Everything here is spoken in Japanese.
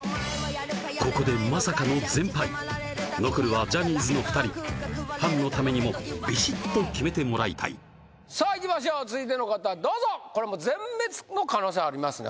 ここでまさかの全敗残るはジャニーズの２人ファンのためにもビシッと決めてもらいたいさあいきましょう続いての方どうぞこれもう全滅の可能性ありますね